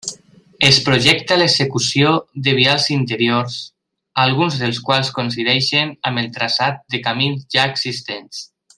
Es projecta l'execució de vials interiors, alguns dels quals coincideixen amb el traçat de camins ja existents.